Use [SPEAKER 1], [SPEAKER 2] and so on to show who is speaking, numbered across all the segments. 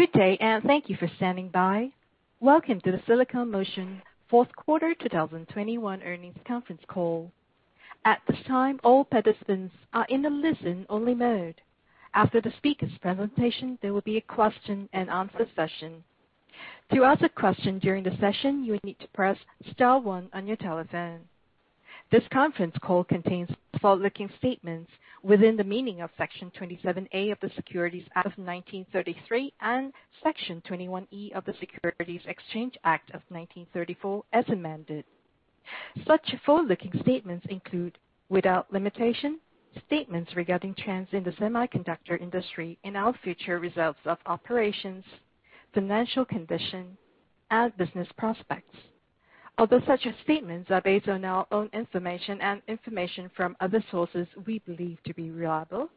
[SPEAKER 1] Good day, and thank you for standing by. Welcome to the Silicon Motion fourth quarter 2021 earnings conference call. At this time, all participants are in a listen-only mode. After the speakers' presentation, there will be a question-and-answer session. To ask a question during the session, you will need to press Star one on your telephone. This conference call contains forward-looking statements within the meaning of Section 27A of the Securities Act of 1933 and Section 21E of the Securities Exchange Act of 1934 as amended. Such forward-looking statements include, without limitation, statements regarding trends in the semiconductor industry and our future results of operations, financial condition, and business prospects. Although such statements are based on our own information and information from other sources we believe to be reliable,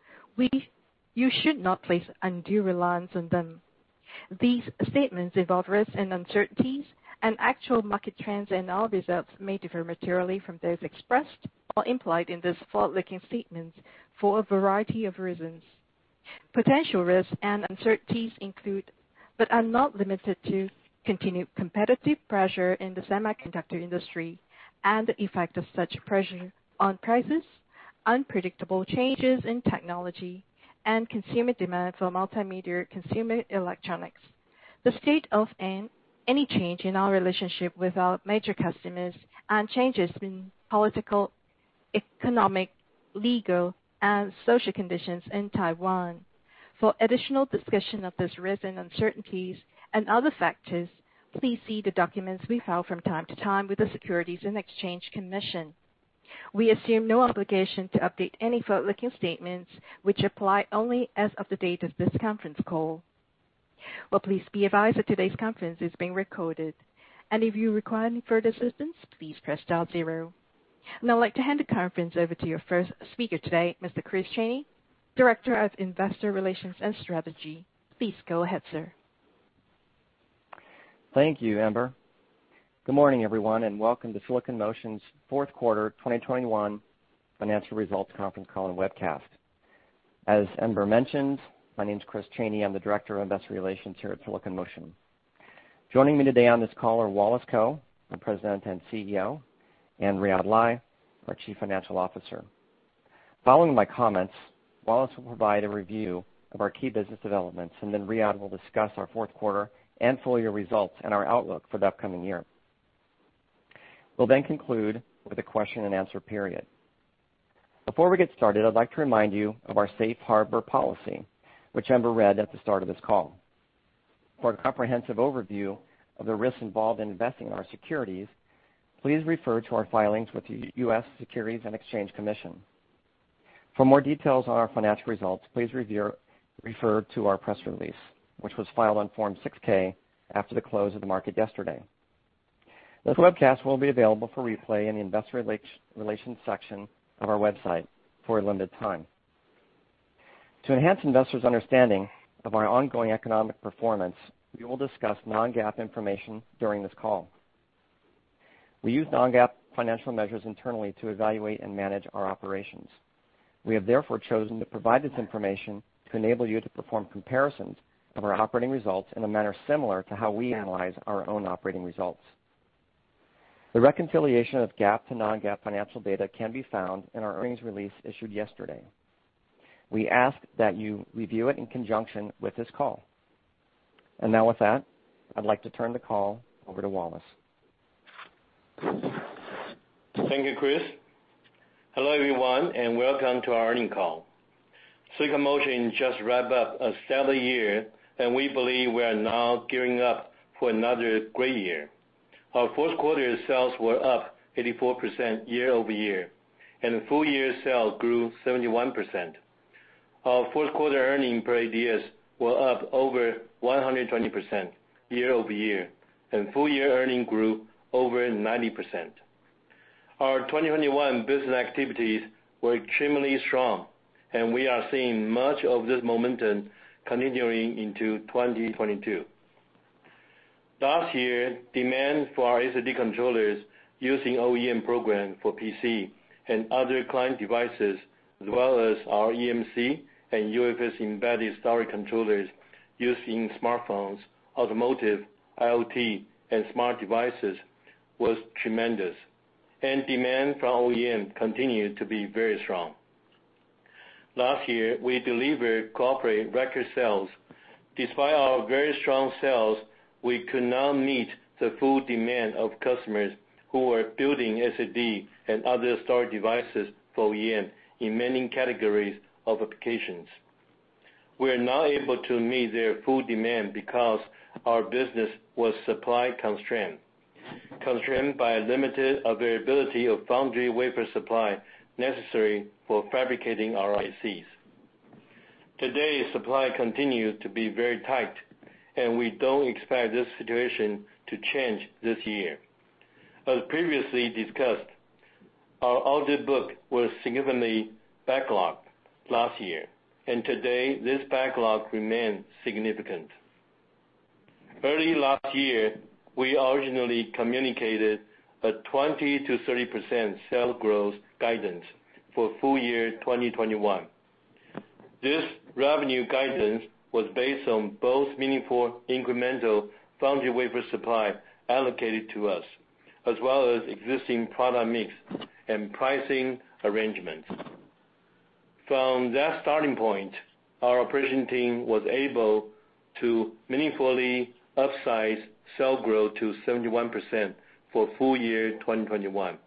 [SPEAKER 1] you should not place undue reliance on them. These statements involve risks and uncertainties, and actual market trends and our results may differ materially from those expressed or implied in these forward-looking statements for a variety of reasons. Potential risks and uncertainties include, but are not limited to, continued competitive pressure in the semiconductor industry and the effect of such pressure on prices, unpredictable changes in technology, and consumer demand for multimedia consumer electronics, such as any change in our relationship with our major customers and changes in political, economic, legal, and social conditions in Taiwan. For additional discussion of these risks and uncertainties and other factors, please see the documents we file from time to time with the Securities and Exchange Commission. We assume no obligation to update any forward-looking statements which apply only as of the date of this conference call. Well, please be advised that today's conference is being recorded. And if you require further assistance please press Star zero. Now I'd like to hand the conference over to your first speaker today, Mr. Chris Chaney, Director of Investor Relations and Strategy. Please go ahead, sir.
[SPEAKER 2] Thank you, Amber. Good morning, everyone, and welcome to Silicon Motion's fourth quarter 2021 financial results conference call and webcast. As Amber mentioned, my name's Chris Chaney. I'm the Director of Investor Relations here at Silicon Motion. Joining me today on this call are Wallace Kou, the President and CEO, and Riyadh Lai, our Chief Financial Officer. Following my comments, Wallace will provide a review of our key business developments, and then Riyadh will discuss our fourth quarter and full-year results and our outlook for the upcoming year. We'll then conclude with a question-and-answer period. Before we get started, I'd like to remind you of our Safe Harbor policy, which Amber read at the start of this call. For a comprehensive overview of the risks involved in investing in our securities, please refer to our filings with the U.S. Securities and Exchange Commission. For more details on our financial results, please refer to our press release, which was filed on Form 6-K after the close of the market yesterday. This webcast will be available for replay in the investor relations section of our website for a limited time. To enhance investors' understanding of our ongoing economic performance, we will discuss non-GAAP information during this call. We use non-GAAP financial measures internally to evaluate and manage our operations. We have therefore chosen to provide this information to enable you to perform comparisons of our operating results in a manner similar to how we analyze our own operating results. The reconciliation of GAAP to non-GAAP financial data can be found in our earnings release issued yesterday. We ask that you review it in conjunction with this call. Now with that, I'd like to turn the call over to Wallace Kou.
[SPEAKER 3] Thank you, Chris. Hello, everyone, and welcome to our earnings call. Silicon Motion just wrapped up a stellar year, and we believe we are now gearing up for another great year. Our fourth quarter sales were up 84% year-over-year, and full-year sales grew 71%. Our fourth quarter earnings per ADS were up over 120% year-over-year, and full-year earnings grew over 90%. Our 2021 business activities were extremely strong, and we are seeing much of this momentum continuing into 2022. Last year, demand for our SSD controllers using OEM program for PC and other client devices, as well as our eMMC and UFS embedded storage controllers used in smartphones, automotive, IoT, and smart devices, was tremendous, and demand from OEM continued to be very strong. Last year, we delivered corporate record sales. Despite our very strong sales, we could not meet the full demand of customers who were building SSD and other storage devices for OEM in many categories of applications. We are not able to meet their full demand because our business was supply-constrained, constrained by a limited availability of foundry wafer supply necessary for fabricating our ICs. Today, supply continues to be very tight, and we don't expect this situation to change this year. As previously discussed, our order book was significantly backlogged last year, and today this backlog remains significant. Early last year, we originally communicated a 20%-30% sales growth guidance for full-year 2021. This revenue guidance was based on both meaningful incremental foundry wafer supply allocated to us, as well as existing product mix and pricing arrangements. From that starting point, our operations team was able to meaningfully upsize sales growth to 71% for full-year 2021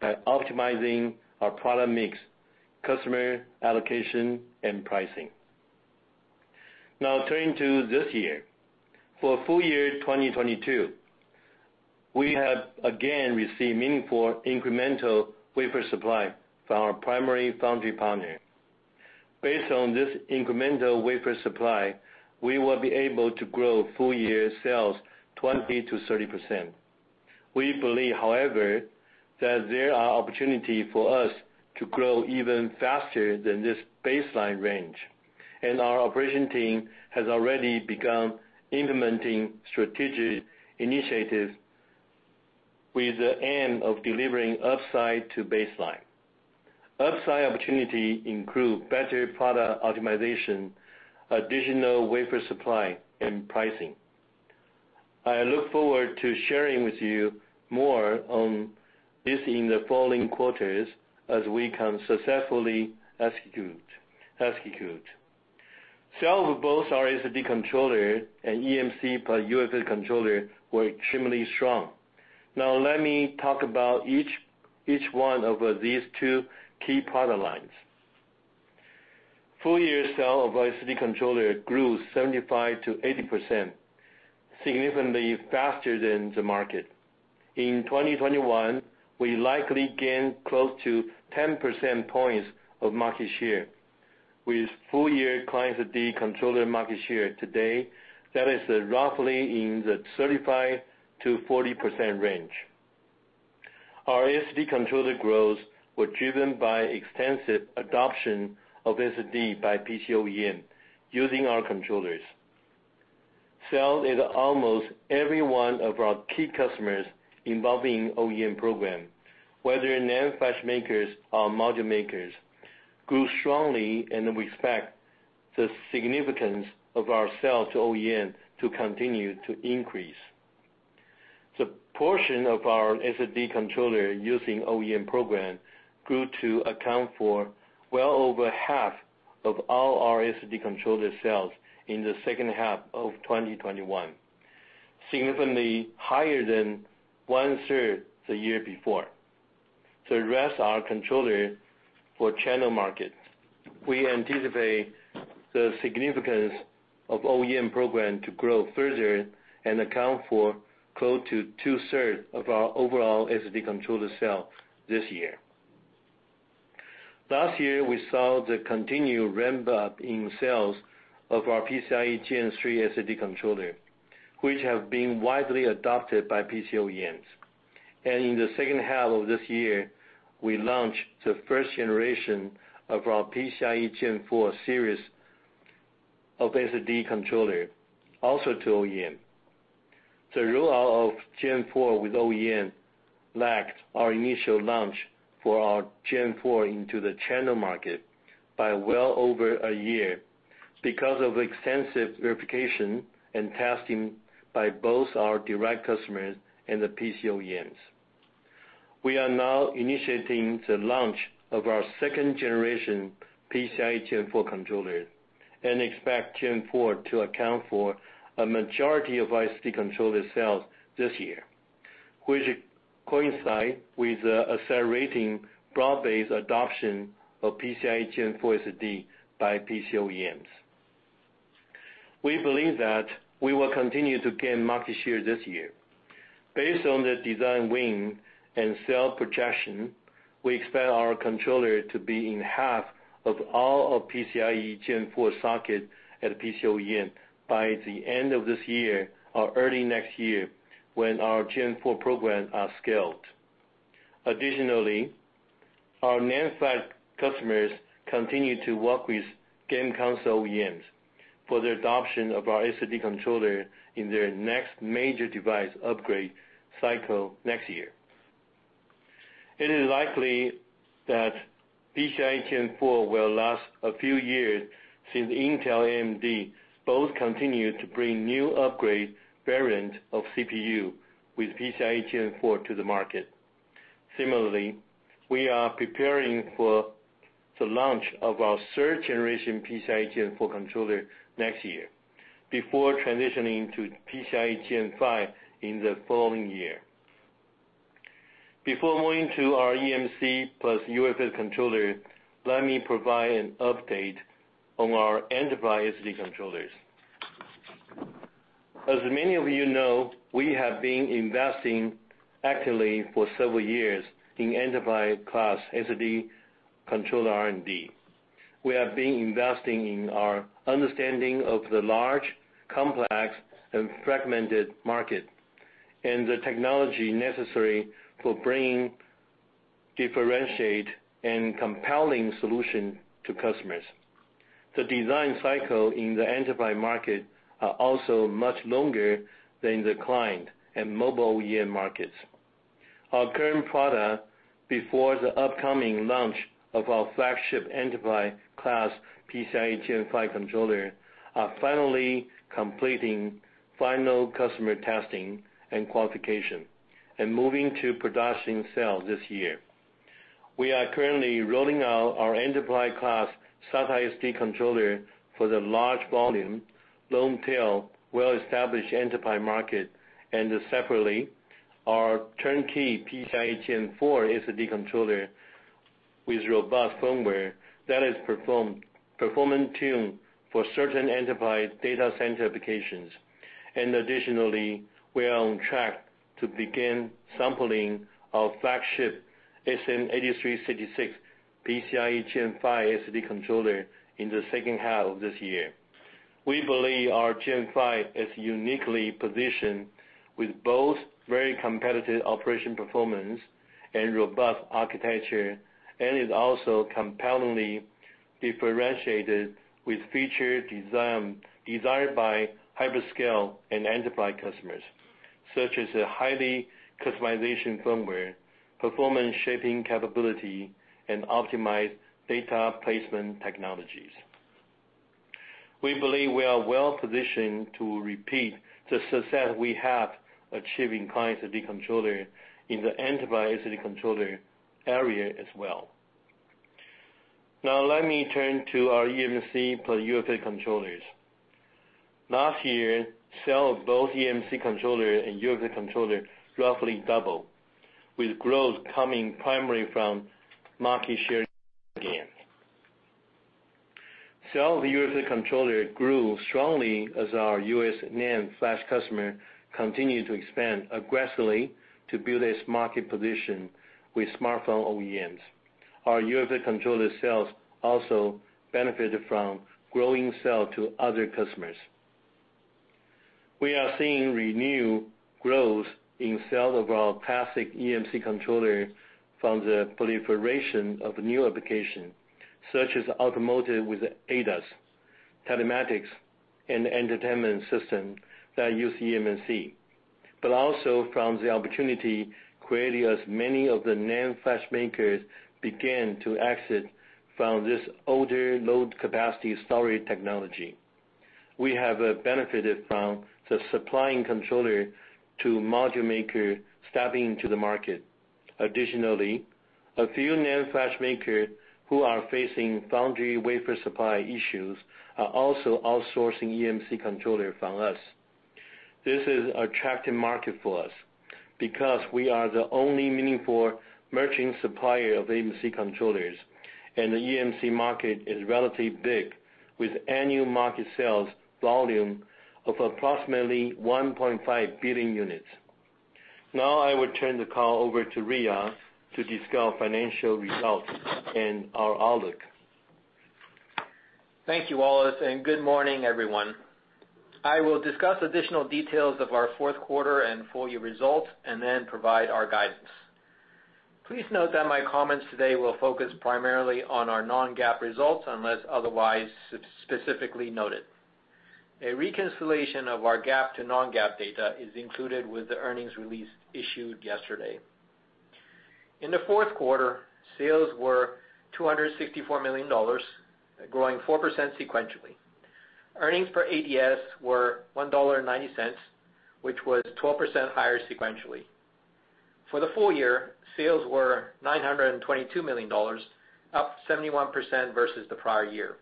[SPEAKER 3] by optimizing our product mix, customer allocation and pricing. Now turning to this year. For full-year 2022, we have again received meaningful incremental wafer supply from our primary foundry partner. Based on this incremental wafer supply, we will be able to grow full-year sales 20%-30%. We believe, however, that there are opportunity for us to grow even faster than this baseline range, and our operations team has already begun implementing strategic initiatives with the aim of delivering upside to baseline. Upside opportunity include better product optimization, additional wafer supply and pricing. I look forward to sharing with you more on this in the following quarters as we can successfully execute. Sales of both our SSD controller and eMMC plus UFS controller were extremely strong. Now let me talk about each one of these two key product lines. Full-year sales of SSD controller grew 75%-80%, significantly faster than the market. In 2021, we likely gained close to 10 percentage points of market share with full-year client SSD controller market share today that is roughly in the 35%-40% range. Our SSD controller growth were driven by extensive adoption of SSD by PC OEM using our controllers. Sales to almost every one of our key customers involving OEM program, whether NAND flash makers or module makers, grew strongly and we expect the significance of our sales to OEM to continue to increase. The portion of our SSD controller using OEM program grew to account for well over half of all our SSD controller sales in the second half of 2021, significantly higher than 1/3 the year before. The rest are controllers for channel market. We anticipate the significance of OEM program to grow further and account for close to 2/3 of our overall SSD controller sales this year. Last year, we saw the continued ramp-up in sales of our PCIe Gen 3 SSD controller, which have been widely adopted by PC OEMs. In the second half of this year, we launched the first generation of our PCIe Gen 4 series of SSD controller also to OEM. The rollout of Gen 4 with OEM lagged our initial launch for our Gen 4 into the channel market by well over a year because of extensive verification and testing by both our direct customers and the PC OEMs. We are now initiating the launch of our second generation PCIe Gen 4 controller and expect Gen 4 to account for a majority of SSD controller sales this year, which coincide with the accelerating broad-based adoption of PCIe Gen 4 SSD by PC OEMs. We believe that we will continue to gain market share this year. Based on the design win and sale projection, we expect our controller to be in half of all of PCIe Gen 4 socket at PC OEM by the end of this year or early next year when our Gen 4 programs are scaled. Additionally, our NAND flash customers continue to work with game console OEMs for the adoption of our SSD controller in their next major device upgrade cycle next year. It is likely that PCIe Gen 4 will last a few years since Intel and AMD both continue to bring new upgrade variant of CPU with PCIe Gen 4 to the market. Similarly, we are preparing for the launch of our third generation PCIe Gen 4 controller next year before transitioning to PCIe Gen 5 in the following year. Before moving to our eMMC plus UFS controller, let me provide an update on our enterprise SSD controllers. As many of you know, we have been investing actively for several years in enterprise class SSD controller R&D. We have been investing in our understanding of the large, complex and fragmented market, and the technology necessary for bringing differentiated and compelling solution to customers. The design cycle in the enterprise market are also much longer than the client and mobile markets. Our current product, before the upcoming launch of our flagship enterprise class PCIe Gen 5 controller, are finally completing final customer testing and qualification and moving to production sale this year. We are currently rolling out our enterprise class SATA SSD controller for the large volume, long tail, well-established enterprise market. Separately, our turnkey PCIe Gen4 SSD controller with robust firmware that is performance tuned for certain enterprise data center applications. Additionally, we are on track to begin sampling our flagship SM8366 PCIe Gen5 SSD controller in the second half of this year. We believe our Gen5 is uniquely positioned with both very competitive operational performance and robust architecture, and is also compellingly differentiated with features designed, desired by hyperscale and enterprise customers, such as highly customizable firmware, performance shaping capability, and optimized data placement technologies. We believe we are well-positioned to repeat the success we had achieving client SSD controller in the enterprise SSD controller area as well. Now let me turn to our eMMC plus UFS controllers. Last year, sales of both eMMC controller and UFS controller roughly doubled, with growth coming primarily from market share gains. Sales of the UFS controller grew strongly as our U.S. NAND flash customer continued to expand aggressively to build its market position with smartphone OEMs. Our UFS controller sales also benefited from growing sales to other customers. We are seeing renewed growth in sales of our classic eMMC controller from the proliferation of new applications, such as automotive with ADAS, telematics, and entertainment system that use eMMC, but also from the opportunity created as many of the NAND flash makers began to exit from this older low capacity storage technology. We have benefited from supplying controllers to module makers stepping into the market. Additionally, a few NAND flash makers who are facing foundry wafer supply issues are also outsourcing eMMC controllers from us. This is attractive market for us because we are the only meaningful merchant supplier of eMMC controllers, and the eMMC market is relatively big, with annual market sales volume of approximately 1.5 billion units. Now I will turn the call over to Riyadh to discuss financial results and our outlook.
[SPEAKER 4] Thank you, Wallace, and good morning, everyone. I will discuss additional details of our fourth quarter and full-year results and then provide our guidance. Please note that my comments today will focus primarily on our non-GAAP results, unless otherwise specifically noted. A reconciliation of our GAAP to non-GAAP data is included with the earnings release issued yesterday. In the fourth quarter, sales were $264 million, growing 4% sequentially. Earnings per ADS were $1.90, which was 12% higher sequentially. For the full-year, sales were $922 million, up 71% versus the prior year.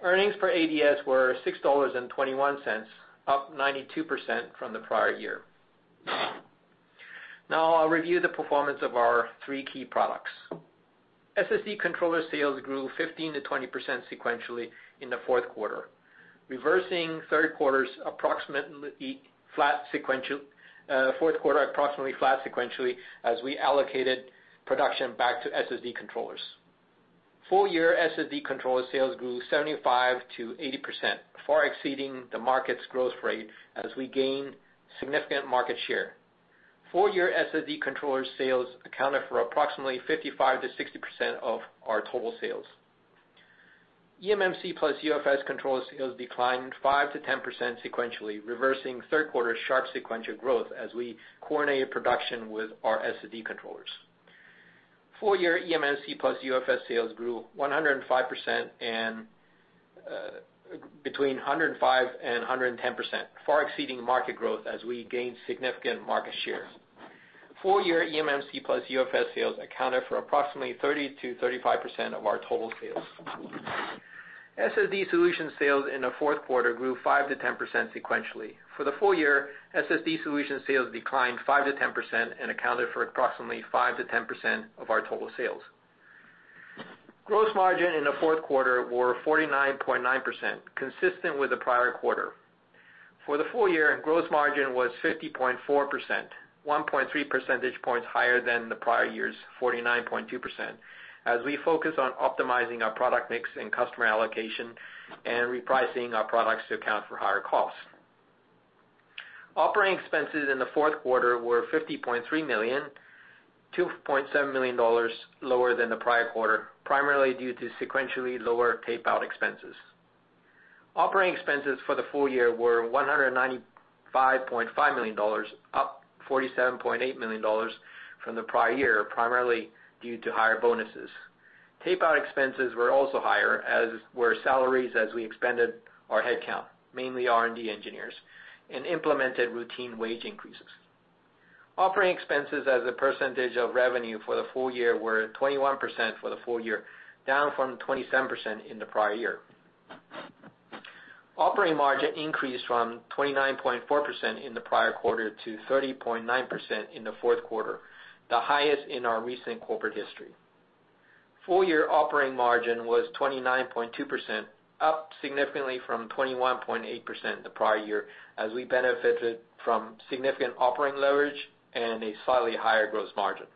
[SPEAKER 4] Earnings per ADS were $6.21, up 92% from the prior year. Now I'll review the performance of our three key products. SSD controller sales grew 15%-20% sequentially in the fourth quarter, reversing third quarter's approximately flat sequentially as we allocated production back to SSD controllers. Full-year SSD controller sales grew 75%-80%, far exceeding the market's growth rate as we gained significant market share. Full-year SSD controller sales accounted for approximately 55%-60% of our total sales. eMMC plus UFS controller sales declined 5%-10% sequentially, reversing third quarter's sharp sequential growth as we coordinated production with our SSD controllers. Full-year eMMC plus UFS sales grew 105% and between 105% and 110%, far exceeding market growth as we gained significant market shares. Full-year eMMC plus UFS sales accounted for approximately 30%-35% of our total sales. SSD solution sales in the fourth quarter grew 5%-10% sequentially. For the full-year, SSD solution sales declined 5%-10% and accounted for approximately 5%-10% of our total sales. Gross margin in the fourth quarter were 49.9%, consistent with the prior quarter. For the full-year, gross margin was 50.4%, 1.3% points higher than the prior year's 49.2%, as we focus on optimizing our product mix and customer allocation and repricing our products to account for higher costs. Operating expenses in the fourth quarter were $50.3 million, $2.7 million lower than the prior quarter, primarily due to sequentially lower tape-out expenses. Operating expenses for the full-year were $195.5 million, up $47.8 million from the prior year, primarily due to higher bonuses. Tape-out expenses were also higher, as were salaries, as we expanded our headcount, mainly R&D engineers, and implemented routine wage increases. Operating expenses as a percentage of revenue for the full-year were 21% for the full year, down from 27% in the prior year. Operating margin increased from 29.4% in the prior quarter to 30.9% in the fourth quarter, the highest in our recent corporate history. Full-year operating margin was 29.2%, up significantly from 21.8% the prior year, as we benefited from significant operating leverage and a slightly higher gross margin.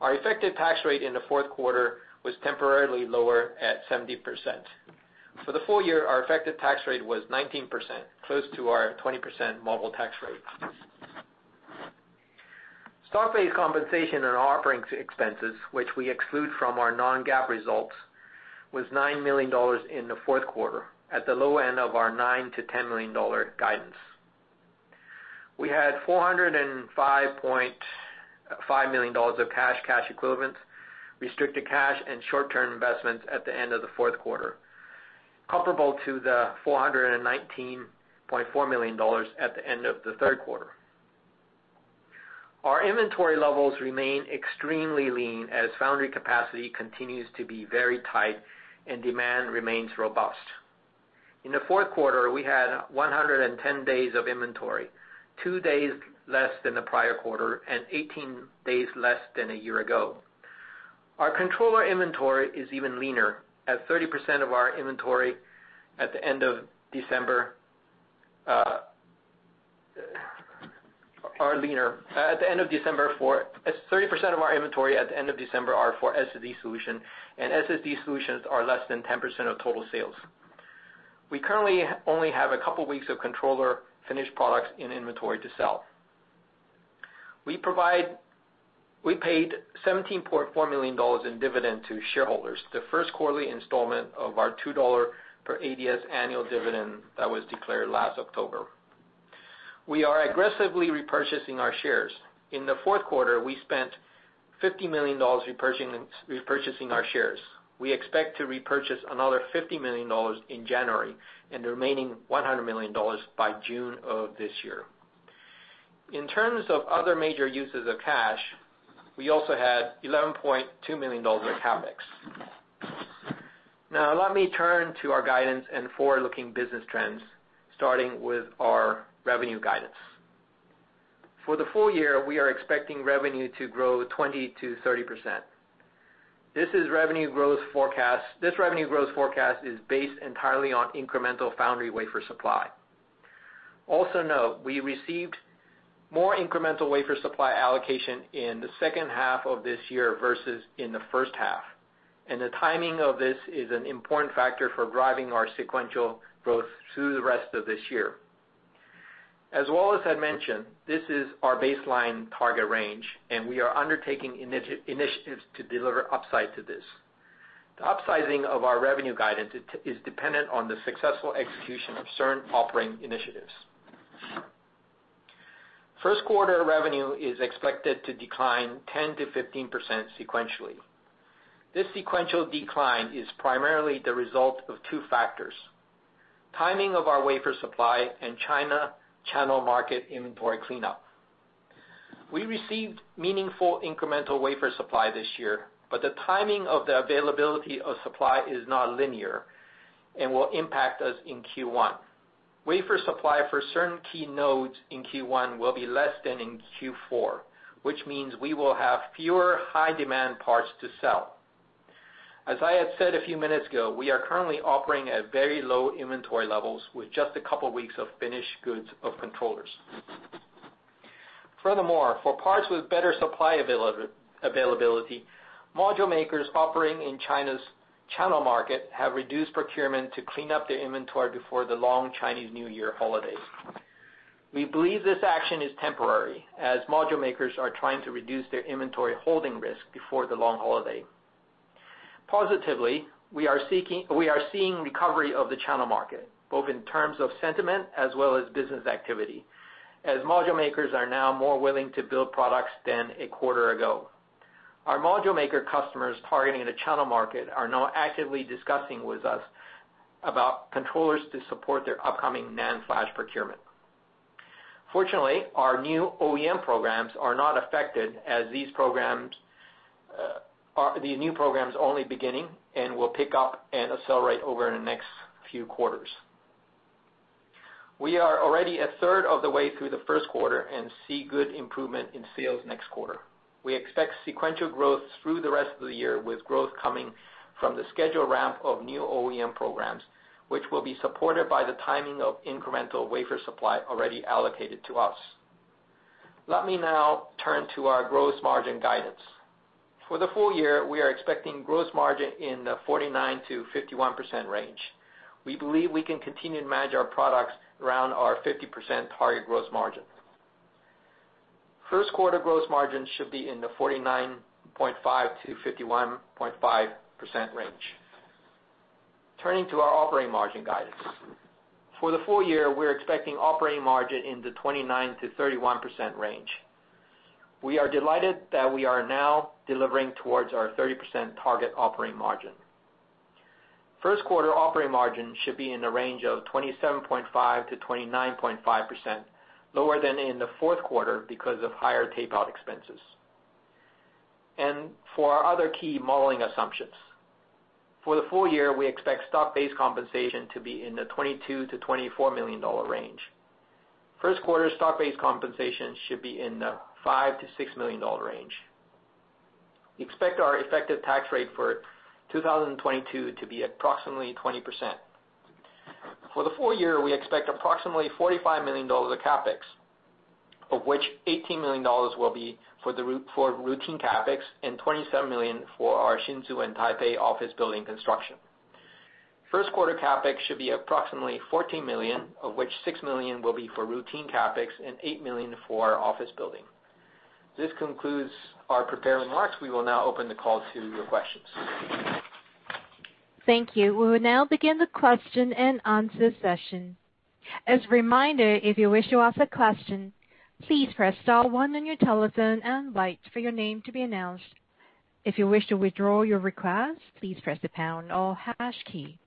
[SPEAKER 4] Our effective tax rate in the fourth quarter was temporarily lower at 70%. For the full-year, our effective tax rate was 19%, close to our 20% mobile tax rate. Stock-based compensation and operating expenses, which we exclude from our non-GAAP results, was $9 million in the fourth quarter at the low end of our $9 million-$10 million guidance. We had $405.5 million of cash equivalents, restricted cash and short-term investments at the end of the fourth quarter, comparable to the $419.4 million at the end of the third quarter. Our inventory levels remain extremely lean as foundry capacity continues to be very tight and demand remains robust. In the fourth quarter, we had 110 days of inventory, two days less than the prior quarter and 18 days less than a year ago. Our controller inventory is even leaner at 30% of our inventory at the end of December, as 30% of our inventory at the end of December are for SSD solution, and SSD solutions are less than 10% of total sales. We currently only have a couple weeks of controller finished products in inventory to sell. We paid $17.4 million in dividend to shareholders, the first quarterly installment of our $2 per ADS annual dividend that was declared last October. We are aggressively repurchasing our shares. In the fourth quarter, we spent $50 million repurchasing our shares. We expect to repurchase another $50 million in January and the remaining $100 million by June of this year. In terms of other major uses of cash, we also had $11.2 million in CapEx. Now let me turn to our guidance and forward-looking business trends, starting with our revenue guidance. For the full-year, we are expecting revenue to grow 20%-30%. This is revenue growth forecast. This revenue growth forecast is based entirely on incremental foundry wafer supply. Also note we received more incremental wafer supply allocation in the second half of this year versus in the first half, and the timing of this is an important factor for driving our sequential growth through the rest of this year. As Wallace had mentioned, this is our baseline target range and we are undertaking initiatives to deliver upside to this. The upsizing of our revenue guidance is dependent on the successful execution of certain operating initiatives. First quarter revenue is expected to decline 10%-15% sequentially. This sequential decline is primarily the result of two factors, timing of our Wafer Supply and China channel market inventory cleanup. We received meaningful incremental wafer supply this year, but the timing of the availability of supply is not linear and will impact us in Q1. Wafer supply for certain key nodes in Q1 will be less than in Q4, which means we will have fewer high demand parts to sell. As I had said a few minutes ago, we are currently operating at very low inventory levels with just a couple weeks of finished goods of controllers. Furthermore, for parts with better supply availability, module makers operating in China's channel market have reduced procurement to clean up their inventory before the long Chinese New Year holidays. We believe this action is temporary as module makers are trying to reduce their inventory holding risk before the long holiday. Positively, we are seeing recovery of the channel market, both in terms of sentiment as well as business activity, as module makers are now more willing to build products than a quarter ago. Our module maker customers targeting the channel market are now actively discussing with us about controllers to support their upcoming NAND flash procurement. Fortunately, our new OEM programs are not affected as these programs are the new programs only beginning and will pick up and accelerate over the next few quarters. We are already 1/3 of the way through the first quarter and see good improvement in sales next quarter. We expect sequential growth through the rest of the year, with growth coming from the scheduled ramp of new OEM programs, which will be supported by the timing of incremental wafer supply already allocated to us. Let me now turn to our gross margin guidance. For the full-year, we are expecting gross margin in the 49%-51% range. We believe we can continue to manage our products around our 50% target gross margin. First quarter gross margin should be in the 49.5%-51.5% range. Turning to our operating margin guidance. For the full-year, we're expecting operating margin in the 29%-31% range. We are delighted that we are now delivering towards our 30% target operating margin. First quarter operating margin should be in the range of 27.5%-29.5%, lower than in the fourth quarter because of higher tape-out expenses. For our other key modeling assumptions, for the full-year, we expect stock-based compensation to be in the $22 million-$24 million range. First quarter stock-based compensation should be in the $5 million-$6 million range. We expect our effective tax rate for 2022 to be approximately 20%. For the full-year, we expect approximately $45 million of CapEx, of which $18 million will be for routine CapEx and $27 million for our Hsinchu and Taipei office building construction. First quarter CapEx should be approximately $14 million, of which $6 million will be for routine CapEx and $8 million for our office building. This concludes our prepared remarks. We will now open the call to your questions.
[SPEAKER 1] Thank you. We will now begin the question-and-answer session. As a reminder, if you wish to ask a question, please press Star one on your telephone and wait for your name to be announced. If you wish to withdraw your request, please press the Pound or Hash key.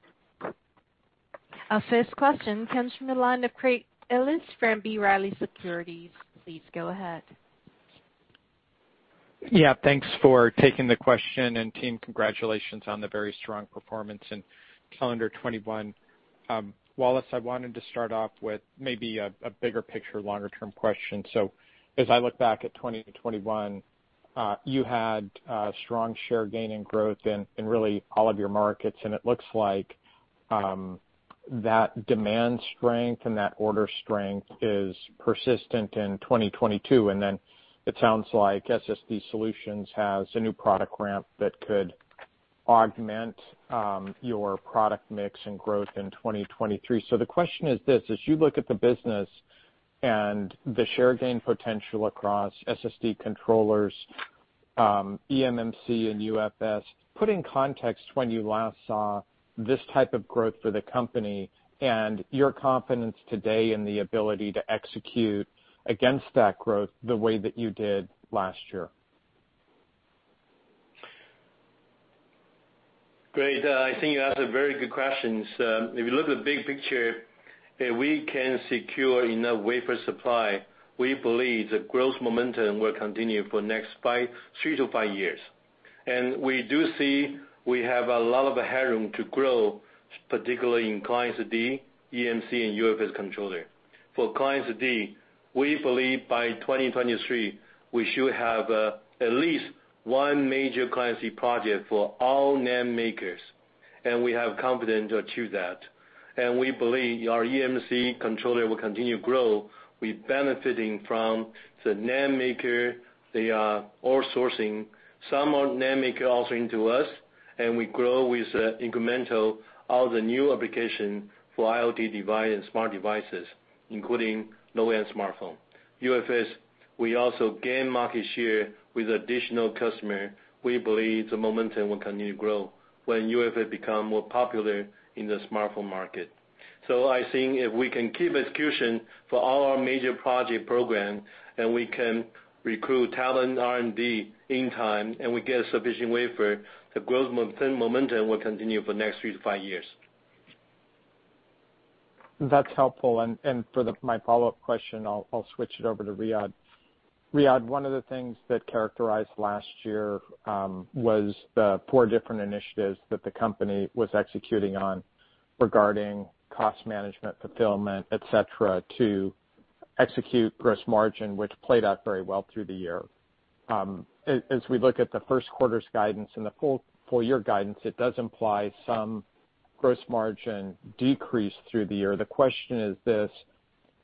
[SPEAKER 1] Our first question comes from the line of Craig Ellis from B. Riley Securities. Please go ahead.
[SPEAKER 5] Yeah, thanks for taking the question, and team, congratulations on the very strong performance in calendar 2021. Wallace, I wanted to start off with maybe a bigger picture, longer-term question. As I look back at 2020 to 2021, you had strong share gain and growth in really all of your markets, and it looks like that demand strength and that order strength is persistent in 2022, and then it sounds like SSD Solutions has a new product ramp that could augment your product mix and growth in 2023. The question is this: as you look at the business and the share gain potential across SSD controllers, eMMC and UFS, put in context when you last saw this type of growth for the company and your confidence today in the ability to execute against that growth the way that you did last year?
[SPEAKER 3] Great. I think you asked a very good question. If you look at the big picture, if we can secure enough wafer supply, we believe the growth momentum will continue for next three to five years. We do see we have a lot of headroom to grow, particularly in client SSD, eMMC and UFS controller. For client SSD, we believe by 2023, we should have at least one major client SSD project for all NAND makers, and we have confidence to achieve that. We believe our eMMC controller will continue to grow with benefiting from the NAND maker, they are all sourcing. Some of NAND maker also into us, and we grow with the incremental of the new application for IoT device and smart devices, including low-end smartphone. UFS, we also gain market share with additional customer. We believe the momentum will continue to grow when UFS become more popular in the smartphone market. I think if we can keep execution for all our major project program, and we can recruit talented R&D in time, and we get sufficient wafer, the growth momentum will continue for next three to five years.
[SPEAKER 5] That's helpful. For my follow-up question, I'll switch it over to Riyadh. Riyadh, one of the things that characterized last year was the four different initiatives that the company was executing on regarding cost management, fulfillment, et cetera, to execute gross margin, which played out very well through the year. As we look at the first quarter's guidance and the full-year guidance, it does imply some gross margin decrease through the year. The question is this: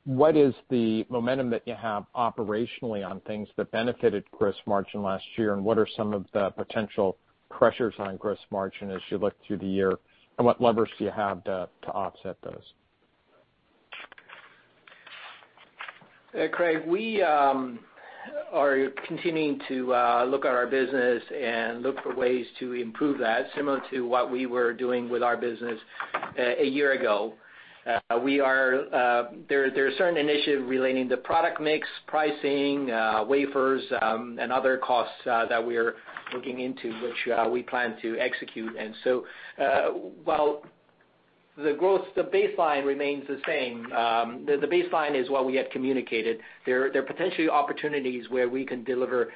[SPEAKER 5] what is the momentum that you have operationally on things that benefited gross margin last year, and what are some of the potential pressures on gross margin as you look through the year, and what levers do you have to offset those?
[SPEAKER 4] Craig, we are continuing to look at our business and look for ways to improve that, similar to what we were doing with our business a year ago. There are certain initiatives relating to product mix, pricing, wafers, and other costs that we are looking into, which we plan to execute. While the growth baseline remains the same. The baseline is what we have communicated. There are potentially opportunities where we can deliver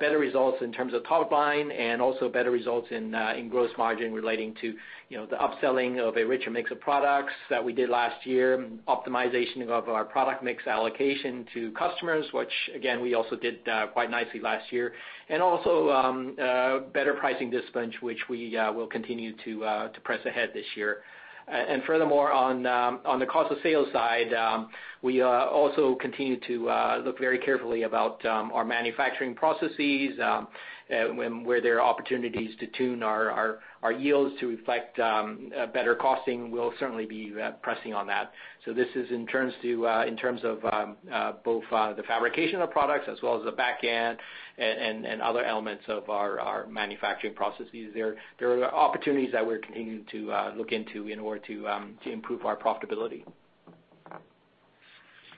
[SPEAKER 4] better results in terms of top line and also better results in gross margin relating to, you know, the upselling of a richer mix of products that we did last year, optimization of our product mix allocation to customers, which again, we also did quite nicely last year. Better pricing discipline, which we will continue to press ahead this year. Furthermore, on the cost of sales side, we also continue to look very carefully about our manufacturing processes, where there are opportunities to tune our yields to reflect a better costing. We'll certainly be pressing on that. This is in terms of both the fabrication of products as well as the back end and other elements of our manufacturing processes. There are opportunities that we're continuing to look into in order to improve our profitability.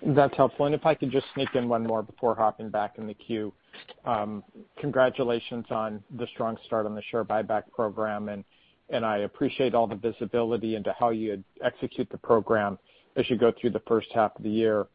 [SPEAKER 5] That's helpful. If I could just sneak in one more before hopping back in the queue. Congratulations on the strong start on the share buyback program, and I appreciate all the visibility into how you execute the program as you go through the first half of the year.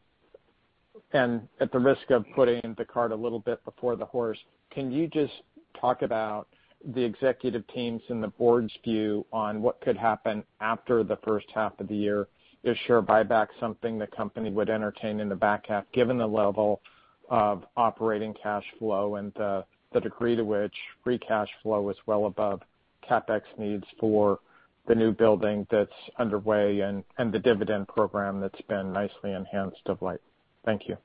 [SPEAKER 5] At the risk of putting the cart a little bit before the horse, can you just talk about the executive teams and the board's view on what could happen after the first half of the year? Is share buyback something the company would entertain in the back half, given the level of operating cash flow and the degree to which free cash flow is well above CapEx needs for the new building that's underway and the dividend program that's been nicely enhanced of late? Thank you.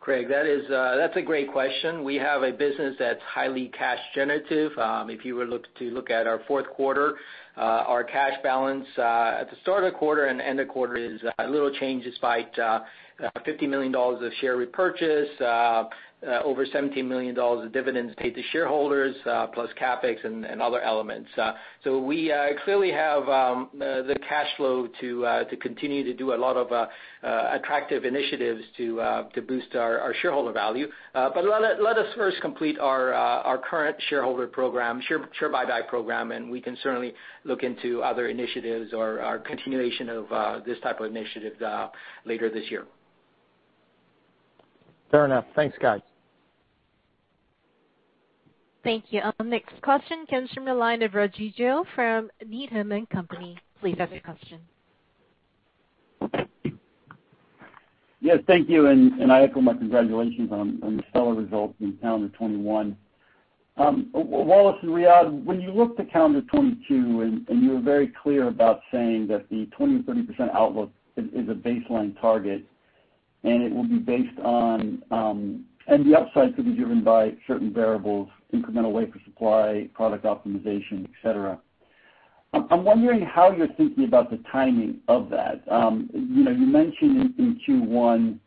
[SPEAKER 4] Craig, that's a great question. We have a business that's highly cash generative. If you look at our fourth quarter, our cash balance at the start of quarter and end of quarter is little change despite $50 million of share repurchase, over $17 million of dividends paid to shareholders, plus CapEx and other elements. We clearly have the cash flow to continue to do a lot of attractive initiatives to boost our shareholder value. Let us first complete our current shareholder program, share buyback program, and we can certainly look into other initiatives or continuation of this type of initiatives later this year.
[SPEAKER 5] Fair enough. Thanks, guys.
[SPEAKER 1] Thank you. Our next question comes from the line of Rajvindra Gill from Needham & Company. Please ask your question.
[SPEAKER 6] Yes, thank you, and I echo my congratulations on the stellar results in calendar 2021. Wallace and Riyadh, when you look to calendar 2022, and you were very clear about saying that the 20%-30% outlook is a baseline target, and it will be based on, and the upside could be driven by certain variables, incremental wafer supply, product optimization, et cetera. I'm wondering how you're thinking about the timing of that. You know, you mentioned in Q1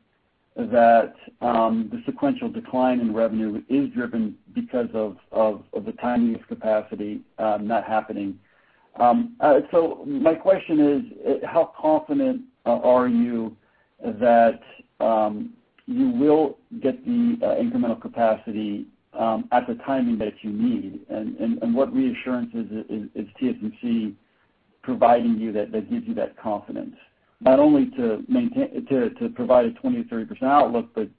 [SPEAKER 6] that the sequential decline in revenue is driven because of the timing of capacity not happening. So my question is, how confident are you that you will get the incremental capacity at the timing that you need? What reassurances is TSMC providing you that gives you that confidence, not only to provide a 20%-30% outlook, but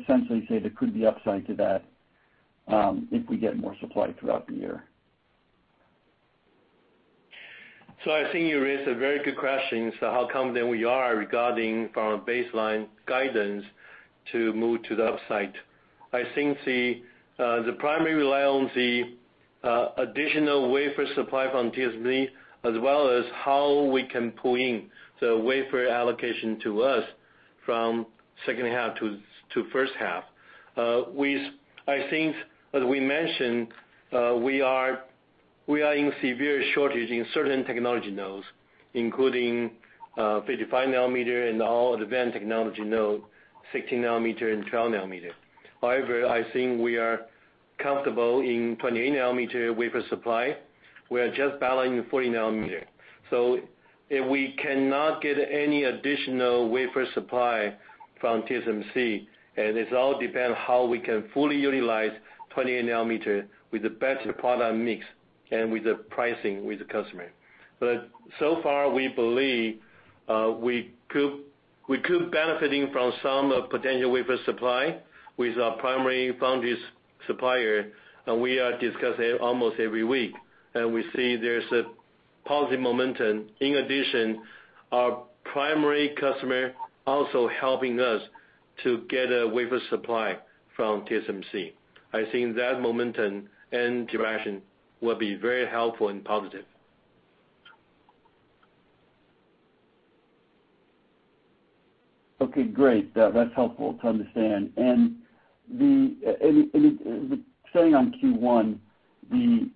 [SPEAKER 6] essentially say there could be upside to that, if we get more supply throughout the year?
[SPEAKER 3] I think you raised a very good question as to how confident we are regarding from a baseline guidance to move to the upside. I think the primary rely on the additional wafer supply from TSMC, as well as how we can pull in the wafer allocation to us from second half to first half. I think, as we mentioned, we are in severe shortage in certain technology nodes, including 55 nm and all advanced technology node, 60-nanometer and 12 nm. However, I think we are comfortable in 28 nm wafer supply. We are just battling the 40 nm. If we cannot get any additional wafer supply from TSMC, and this all depend how we can fully utilize 28 nm with the better product mix and with the pricing with the customer. So far, we believe we could benefit from some potential wafer supply with our primary foundry supplier, and we are discussing almost every week, and we see there's a positive momentum. In addition, our primary customer is also helping us to get a wafer supply from TSMC. I think that momentum and direction will be very helpful and positive.
[SPEAKER 6] Okay, great. That's helpful to understand. Staying on Q1, the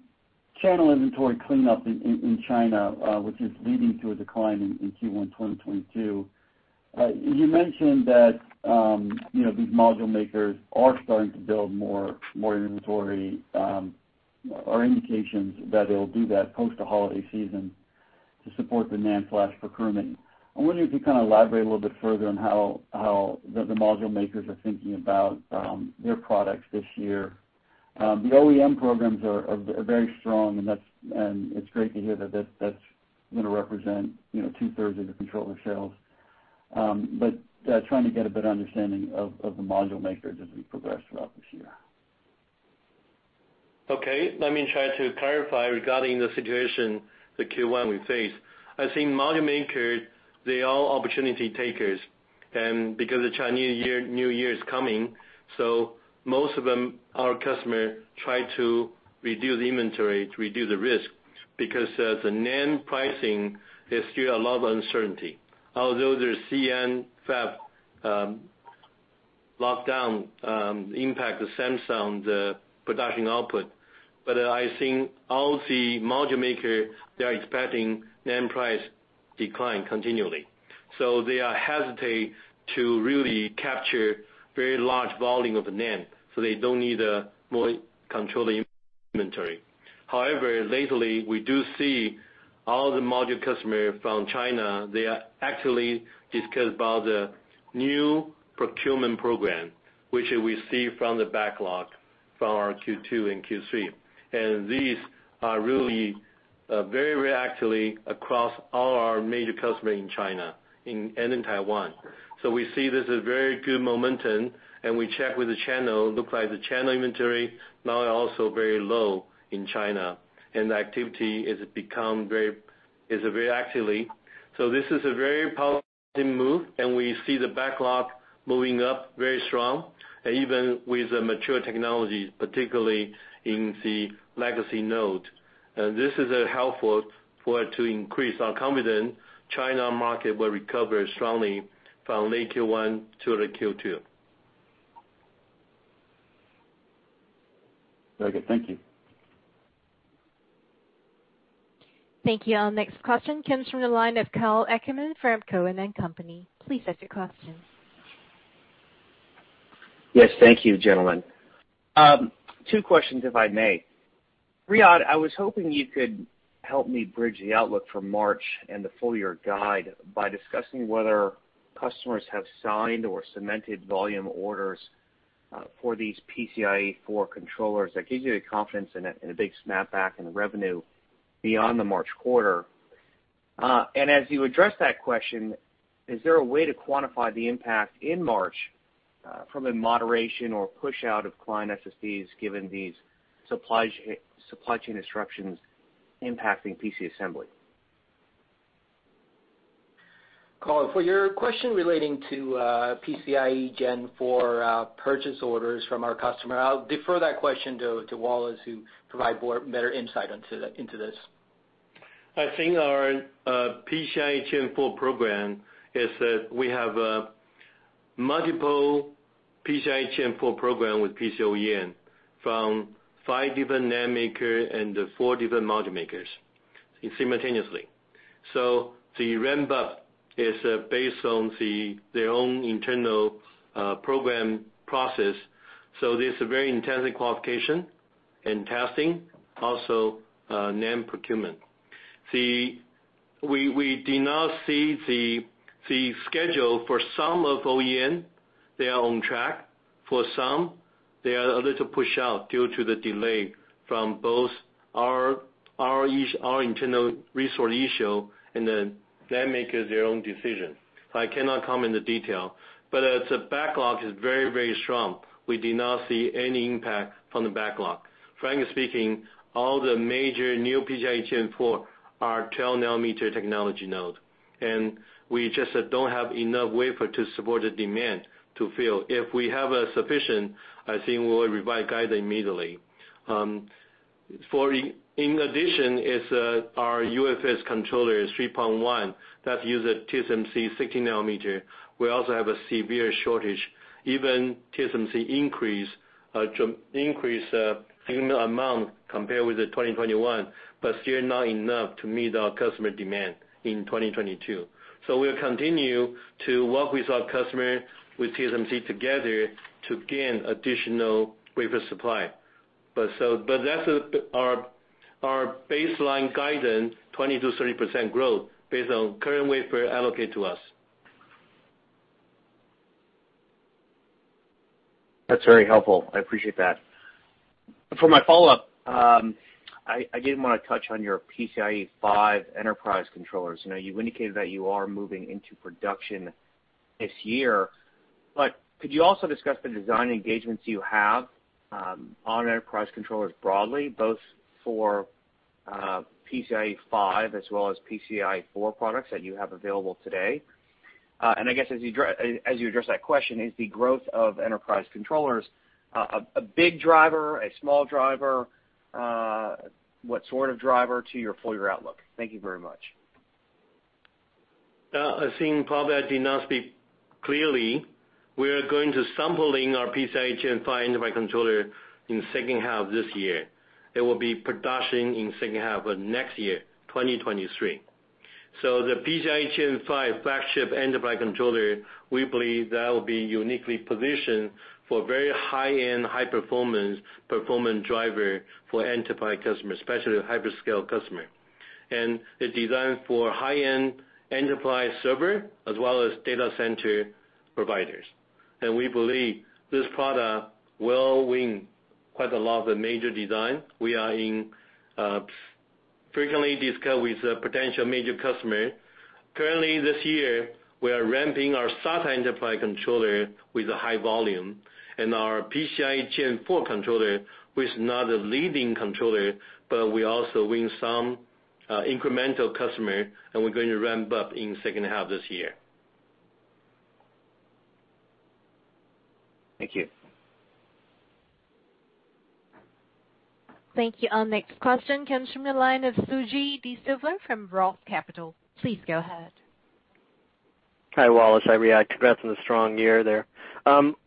[SPEAKER 6] channel inventory cleanup in China, which is leading to a decline in Q1 2022, you mentioned that, you know, these module makers are starting to build more inventory, or indications that they'll do that post the holiday season to support the NAND flash procurement. I wonder if you kind of elaborate a little bit further on how the module makers are thinking about their products this year. The OEM programs are very strong and that's and it's great to hear that that's gonna represent, you know, two-thirds of the controller sales. Trying to get a better understanding of the module makers as we progress throughout this year.
[SPEAKER 3] Okay. Let me try to clarify regarding the situation that Q1 we face. I think module makers, they are opportunity takers. Because the Chinese New Year is coming, so most of them, our customer try to reduce inventory to reduce the risk because the NAND pricing is still a lot of uncertainty. Although the Xi'an fab lockdown impacts Samsung's production output. I think all the module maker, they are expecting NAND price decline continually. They are hesitate to really capture very large volume of NAND, so they don't need a more controlling inventory. However, lately, we do see all the module customer from China, they are actually discuss about the new procurement program, which we see from the backlog from our Q2 and Q3. These are really very very active across all our major customers in China and in Taiwan. We see this as very good momentum, and we check with the channel. It looks like the channel inventory now is also very low in China, and the activity is very active. This is a very positive move, and we see the backlog moving up very strong, even with the mature technologies, particularly in the legacy node. This is helpful for it to increase our confidence the China market will recover strongly from late Q1 to Q2.
[SPEAKER 6] Very good. Thank you.
[SPEAKER 1] Thank you. Our next question comes from the line of Karl Ackerman from Cowen & Company. Please state your question.
[SPEAKER 7] Yes. Thank you, gentlemen. Two questions, if I may. Riyadh, I was hoping you could help me bridge the outlook for March and the full-year guide by discussing whether customers have signed or cemented volume orders for these PCIe 4 controllers that gives you the confidence in a big snapback in revenue beyond the March quarter. As you address that question, is there a way to quantify the impact in March from a moderation or push out of client SSDs, given these supply chain disruptions impacting PC assembly?
[SPEAKER 3] Karl, for your question relating to PCIe Gen 4 purchase orders from our customer, I'll defer that question to Wallace, who provide more better insight into this. I think our PCIe Gen 4 program is that we have multiple PCIe Gen 4 program with PC OEM from five different NAND maker and four different module makers simultaneously. The ramp-up is based on their own internal program process. There's a very intensive qualification and testing, also NAND procurement. We do not see the schedule for some of OEM, they are on track. For some, they are a little push out due to the delay from both our internal resource issue and the NAND maker their own decision. I cannot comment the detail. As the backlog is very, very strong, we do not see any impact from the backlog. Frankly speaking, all the major new PCIe Gen 4 are 12 nm technology node, and we just don't have enough wafer to support the demand to fill. If we have a sufficient, I think we will revise guidance immediately. In addition, our UFS 3.1 controller uses a TSMC 60 nm. We also have a severe shortage. Even TSMC increases capacity compared with 2021, but still not enough to meet our customer demand in 2022. We'll continue to work with our customer, with TSMC together to gain additional wafer supply. That's our baseline guidance, 20%-30% growth based on current wafer allocation to us.
[SPEAKER 7] That's very helpful. I appreciate that. For my follow-up, I did wanna touch on your PCIe 5 enterprise controllers. I know you've indicated that you are moving into production this year, but could you also discuss the design engagements you have on enterprise controllers broadly, both for PCIe 5 as well as PCIe 4 products that you have available today? I guess as you address that question, is the growth of enterprise controllers a big driver, a small driver? What sort of driver to your full-year outlook? Thank you very much.
[SPEAKER 3] I think probably I did not speak clearly. We are going to sampling our PCIe Gen 5 enterprise controller in second half this year. It will be in production in second half of next year, 2023. The PCIe Gen 5 flagship enterprise controller, we believe that will be uniquely positioned for very high-end, high performance driver for enterprise customers, especially the hyperscale customer. It's designed for high-end enterprise server as well as data center providers. We believe this product will win quite a lot of the major design. We are in frequent discussions with the potential major customer. Currently, this year, we are ramping our SATA enterprise controller with a high volume and our PCIe Gen 4 controller, which is not a leading controller, but we also win some incremental customer, and we're going to ramp up in second half this year.
[SPEAKER 7] Thank you.
[SPEAKER 1] Thank you. Our next question comes from the line of Suji Desilva from ROTH Capital. Please go ahead.
[SPEAKER 8] Hi, Wallace, Riyadh. Congrats on the strong year there.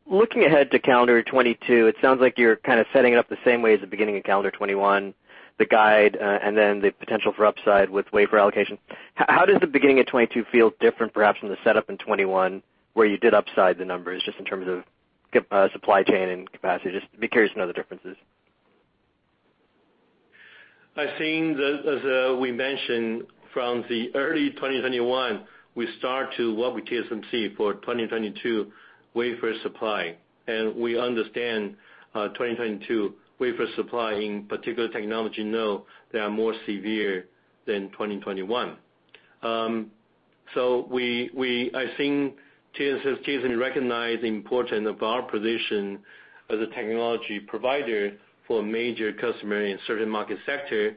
[SPEAKER 8] Looking ahead to calendar 2022, it sounds like you're kind of setting it up the same way as the beginning of calendar 2021, the guide, and then the potential for upside with wafer allocation. How does the beginning of 2022 feel different perhaps from the setup in 2021, where you did upside the numbers just in terms of supply chain and capacity? Just be curious to know the differences.
[SPEAKER 3] I think that as we mentioned from the early 2021, we start to work with TSMC for 2022 wafer supply. We understand 2022 wafer supply in particular technology node, they are more severe than 2021. I think TSMC is recognizing the importance of our position as a technology provider for major customer in certain market sector.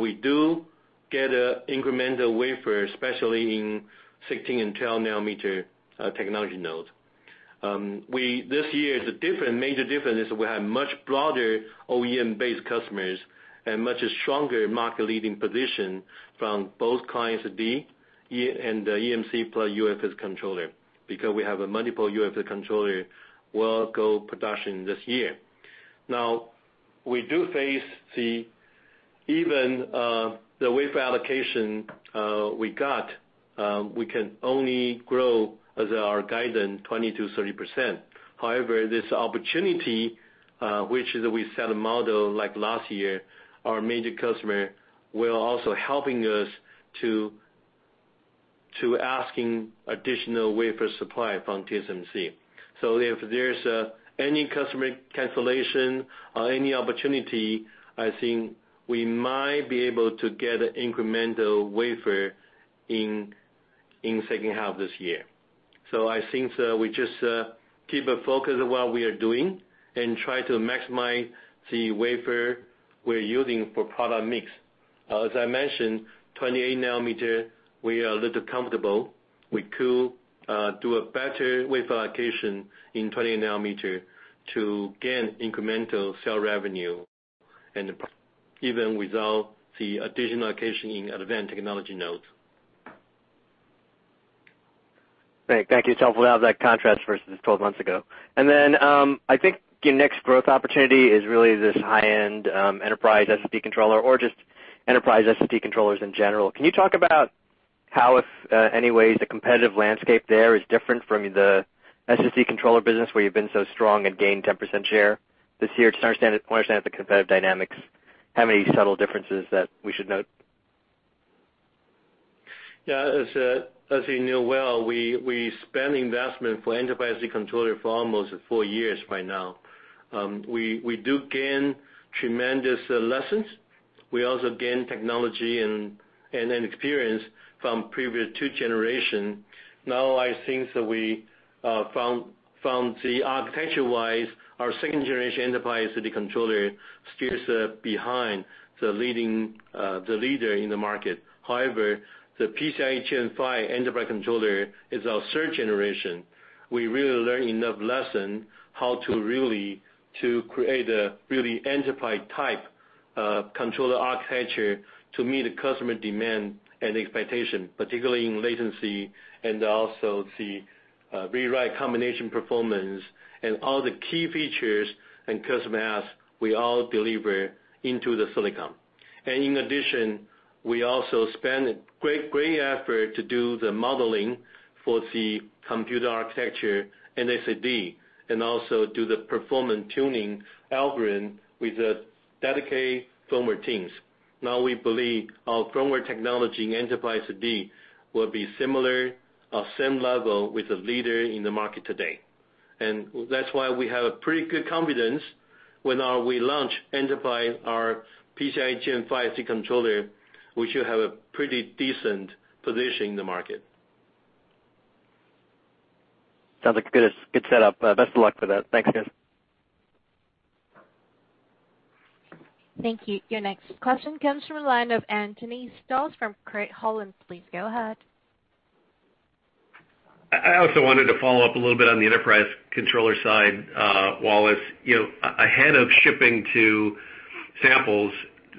[SPEAKER 3] We do get an incremental wafer, especially in 16 nm and 12 nm technology nodes. This year, the different, major difference is we have much broader OEM-based customers and much stronger market-leading position from both client SSD, eMMC and UFS controller because we have a multiple UFS controller will go production this year. Now, we do face even the wafer allocation we got, we can only grow as our guidance 20%-30%. However, this opportunity, which is we set a model like last year, our major customer will also helping us to asking additional wafer supply from TSMC. If there's any customer cancellation or any opportunity, I think we might be able to get incremental wafer in second half this year. I think we just keep a focus on what we are doing and try to maximize the wafer we're using for product mix. As I mentioned, 28 nm, we are a little comfortable. We could do a better wafer allocation in 20 nm to gain incremental sale revenue and even without the additional allocation in advanced technology nodes.
[SPEAKER 8] Great. Thank you. It's helpful to have that contrast versus 12 months ago. Then, I think your next growth opportunity is really this high-end enterprise SSD controller or just enterprise SSD controllers in general. Can you talk about how, if any, ways the competitive landscape there is different from the SSD controller business where you've been so strong and gained 10% share this year? Wanna understand the competitive dynamics, how many subtle differences that we should note.
[SPEAKER 3] Yeah. As you know well, we spend investment for enterprise SSD controller for almost four years by now. We do gain tremendous lessons. We also gain technology and then experience from previous two generation. Now, I think that we from the architecture-wise, our second generation enterprise SSD controller stays behind the leading the leader in the market. However, the PCIe Gen 5 enterprise controller is our third generation. We really learn enough lesson how to really create a really enterprise type controller architecture to meet the customer demand and expectation, particularly in latency and also the rewrite combination performance and all the key features and custom asks, we all deliver into the silicon. In addition, we also spend great effort to do the modeling for the computer architecture NAND, and also do the performance tuning algorithm with the dedicated firmware teams. Now, we believe our firmware technology in enterprise SSD will be similar or same level with the leader in the market today. That's why we have a pretty good confidence when we launch enterprise, our PCIe Gen 5 controller, we should have a pretty decent position in the market.
[SPEAKER 8] Sounds like a good setup. Best of luck with that. Thanks, guys.
[SPEAKER 1] Thank you. Your next question comes from the line of Anthony Stoss from Craig-Hallum. Please go ahead.
[SPEAKER 9] I also wanted to follow-up a little bit on the enterprise controller side, Wallace. You know, ahead of shipping samples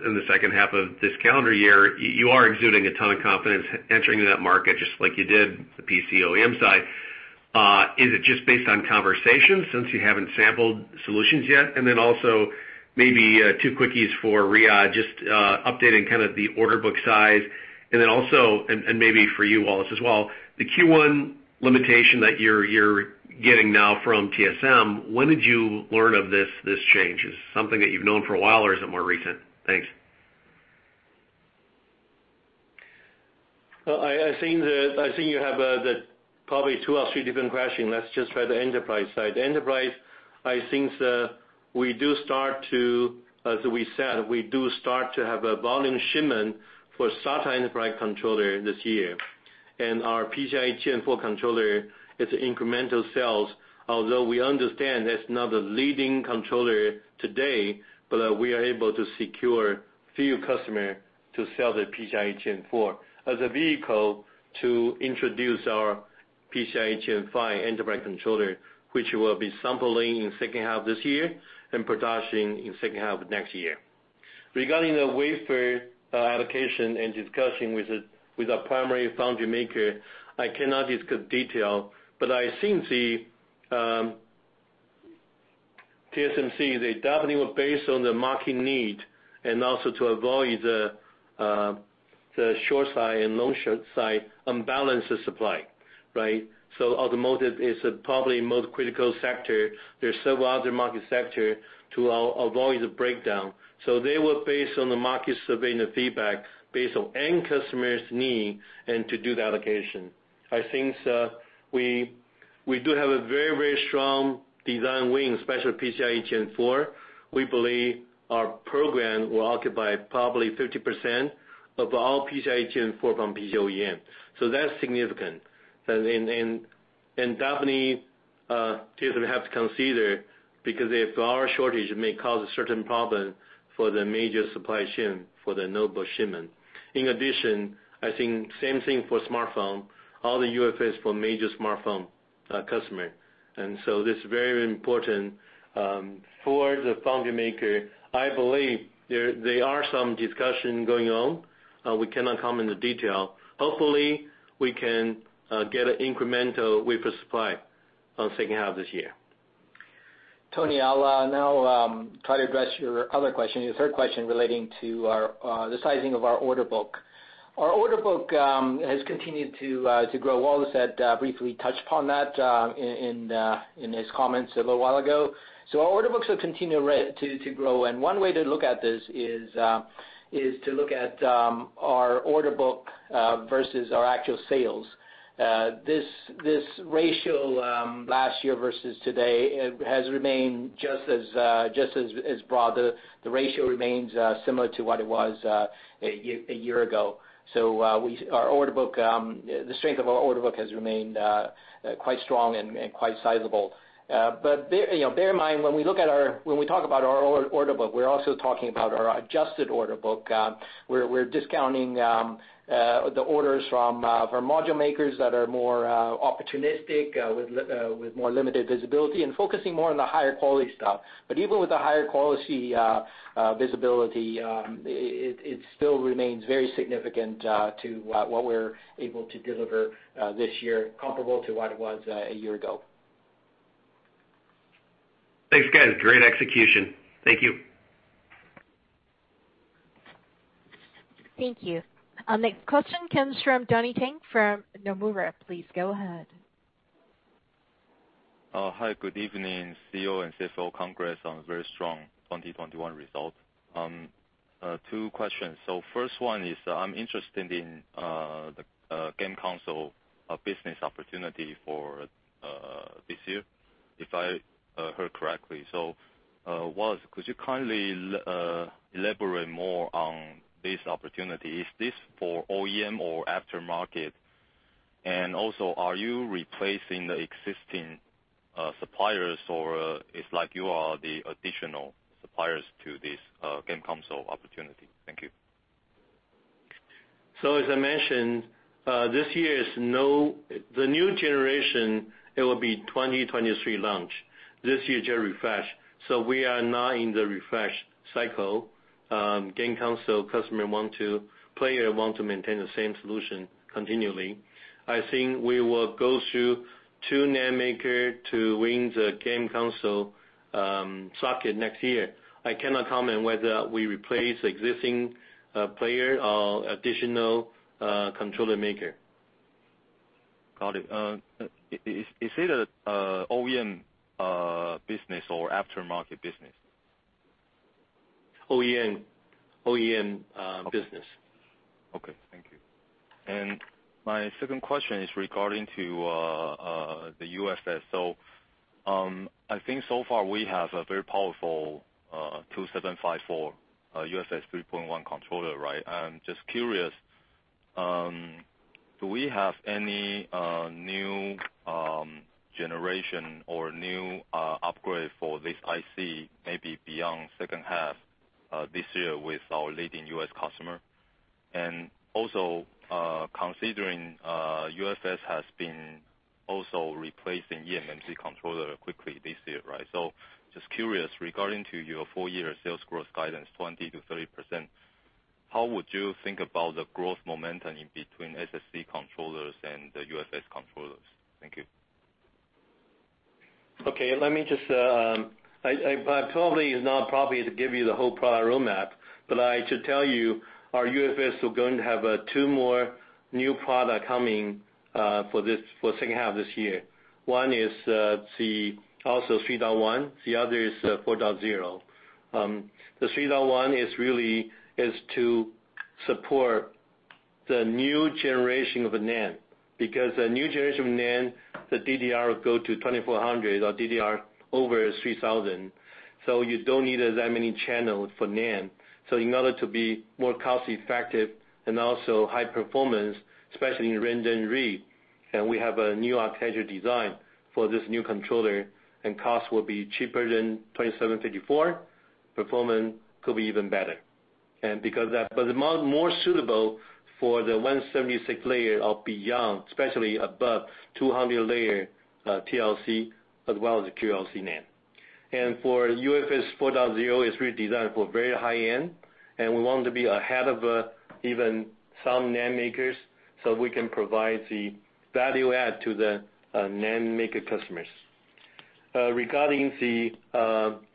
[SPEAKER 9] in the second half of this calendar year, you are exuding a ton of confidence entering that market just like you did the PC OEM side. Is it just based on conversations since you haven't sampled solutions yet? Then also maybe two quickies for Riyadh, just updating kind of the order book size. Then also maybe for you, Wallace, as well, the Q1 limitation that you're getting now from TSMC, when did you learn of this change? Is it something that you've known for a while or is it more recent? Thanks.
[SPEAKER 3] I think you have probably two or three different questions. Let's just try the enterprise side. Enterprise, I think, we start to, as we said, have a volume shipment for SATA enterprise controller this year. Our PCIe Gen 4 controller is incremental sales, although we understand that's not a leading controller today, but we are able to secure few customers to sell the PCIe Gen 4 as a vehicle to introduce our PCIe Gen 5 enterprise controller, which will be sampling in second half this year and production in second half of next year. Regarding the wafer allocation and discussion with the primary foundry maker, I cannot discuss detail, but I think the TSMC, they definitely were based on the market need and also to avoid the short side and long side unbalanced supply, right? Automotive is probably most critical sector. There are several other market sectors to avoid the breakdown. They were based on the market survey and the feedback based on end customer's need and to do the allocation. I think we do have a very strong design win, especially PCIe Gen4. We believe our program will occupy probably 50% of all PCIe Gen4 from PC OEM. That's significant. TSMC have to consider because if there are shortage, it may cause a certain problem for the major supply chain for the notebook shipment. In addition, I think same thing for smartphone, all the UFS for major smartphone customer. This is very important for the foundry maker. I believe there are some discussion going on. We cannot comment the detail. Hopefully, we can get an incremental wafer supply on second half of this year.
[SPEAKER 4] Tony, I'll now try to address your other question, your third question relating to the sizing of our order book. Our order book has continued to grow. Wallace had briefly touched upon that in his comments a little while ago. Our order books have continued to grow. One way to look at this is to look at our order book versus our actual sales. This ratio last year versus today has remained just as broad. The ratio remains similar to what it was a year ago. The strength of our order book has remained quite strong and quite sizable. Bear in mind, you know, when we talk about our order book, we're also talking about our adjusted order book. We're discounting the orders from module makers that are more opportunistic with more limited visibility and focusing more on the higher quality stuff. Even with the higher quality visibility, it still remains very significant to what we're able to deliver this year, comparable to what it was a year ago.
[SPEAKER 9] Thanks, guys. Great execution. Thank you.
[SPEAKER 1] Thank you. Our next question comes from Donnie Teng from Nomura. Please go ahead.
[SPEAKER 10] Hi, good evening, CEO and CFO. Congrats on very strong 2021 results. Two questions. First one is, I'm interested in the game console business opportunity for this year, if I heard correctly. Wallace, could you kindly elaborate more on this opportunity? Is this for OEM or aftermarket? And also, are you replacing the existing suppliers or it's like you are the additional suppliers to this game console opportunity? Thank you.
[SPEAKER 3] As I mentioned, this year is not the new generation, it will be 2023 launch. This year just refresh. We are now in the refresh cycle. Game console customer player want to maintain the same solution continually. I think we will go through two NAND maker to win the game console socket next year. I cannot comment whether we replace existing player or additional controller maker.
[SPEAKER 10] Got it. Is it a OEM business or aftermarket business?
[SPEAKER 3] OEM business.
[SPEAKER 10] Okay. Thank you. My second question is regarding to the UFS. I think so far we have a very powerful 2754 UFS 3.1 controller, right? I'm just curious, do we have any new generation or new upgrade for this IC maybe beyond second half this year with our leading U.S. customer? Also, considering UFS has been also replacing eMMC controller quickly this year, right? Just curious regarding to your full year sales growth guidance, 20%-30%. How would you think about the growth momentum in between SSD controllers and the UFS controllers? Thank you.
[SPEAKER 3] Okay. Let me just, probably is not appropriate to give you the whole product roadmap, but I should tell you, our UFS are going to have two more new product coming for second half this year. One is also UFS 3.1, the other is UFS 4.0. UFS 3.1 is really to support the new generation of NAND. Because the new generation of NAND, the DDR will go to 2400 or DDR over 3000. So you don't need that many channels for NAND. So in order to be more cost effective and also high performance, especially in random and read, and we have a new architecture design for this new controller, and cost will be cheaper than SM2754. Performance could be even better. Because that. More suitable for the 176-layer or beyond, especially above 200-layer TLC, as well as the QLC NAND. For UFS 4.0, it's really designed for very high end, and we want to be ahead of even some NAND makers, so we can provide the value add to the NAND maker customers. Regarding the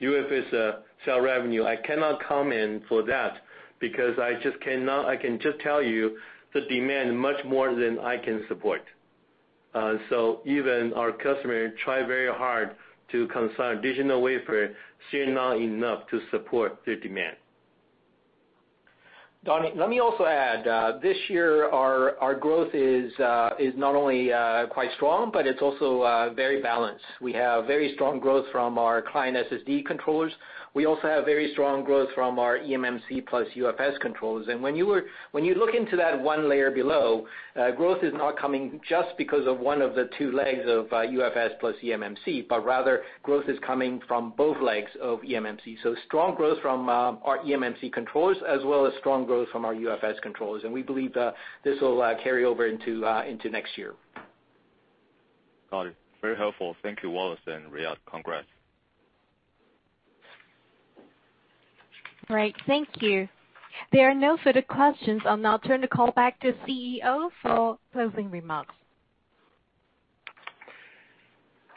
[SPEAKER 3] UFS sale revenue, I cannot comment for that because I just cannot. I can just tell you the demand much more than I can support. Even our customer try very hard to consign additional wafer, still not enough to support the demand.
[SPEAKER 4] Donny, let me also add, this year our growth is not only quite strong, but it's also very balanced. We have very strong growth from our client SSD controllers. We also have very strong growth from our eMMC plus UFS controllers. When you look into that one layer below, growth is not coming just because of one of the two legs of UFS plus eMMC, but rather growth is coming from both legs of eMMC. Strong growth from our eMMC controllers, as well as strong growth from our UFS controllers. We believe that this will carry over into next year.
[SPEAKER 10] Got it. Very helpful. Thank you, Wallace and Riyadh. Congrats.
[SPEAKER 1] Great. Thank you. Th ere are no further questions. I'll now turn the call back to CEO for closing remarks.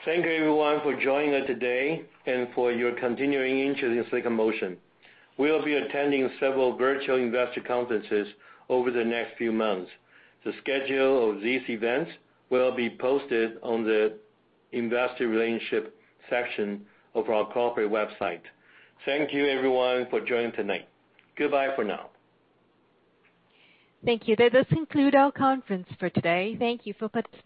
[SPEAKER 3] Thank you everyone for joining us today and for your continuing interest in Silicon Motion. We'll be attending several virtual investor conferences over the next few months. The schedule of these events will be posted on the investor relations section of our corporate website. Thank you everyone for joining tonight. Goodbye for now.
[SPEAKER 1] Thank you. That does conclude our conference for today. Thank you for participating.